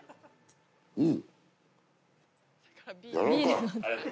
うん！